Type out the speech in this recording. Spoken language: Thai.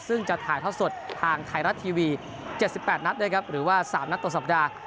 ซึ่งจะถ่ายทอดสดทางไทยรัตน์ทีวีเจ็ดสิบแปดนัดได้ครับหรือว่าสามนัดต่อสัปดาห์